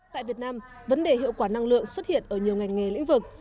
tại việt nam vấn đề hiệu quả năng lượng xuất hiện ở nhiều ngành nghề lĩnh vực